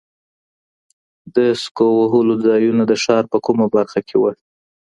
د سکو وهلو ځایونه د ښار په کومه برخه کي وو؟